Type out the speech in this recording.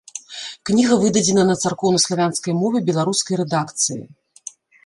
Кніга выдадзена на царкоўна-славянскай мове беларускай рэдакцыі.